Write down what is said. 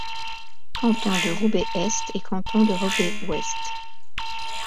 Canton de Roubaix-Est et Canton de Roubaix-Ouest.